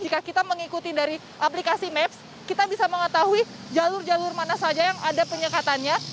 jika kita mengikuti dari aplikasi maps kita bisa mengetahui jalur jalur mana saja yang ada penyekatannya